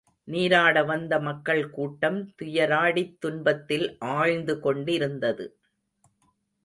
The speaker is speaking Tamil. நீராட வந்த மக்கள் கூட்டம் துயராடித் துன்பத்தில் ஆழ்ந்து கொண்டிருந்தது.